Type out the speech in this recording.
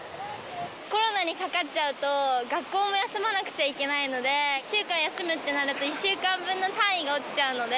コロナにかかっちゃうと、学校も休まなくちゃいけないので、１週間休むってなると、１週間分の単位が落ちちゃうので。